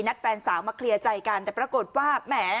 แฟนสาวมาเคลียร์ใจกันแต่ปรากฏว่าแหม